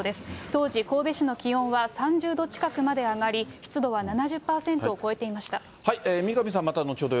当時、神戸市の気温は３０度近くまで上がり、湿度は７０％を超え三上さん、また後ほど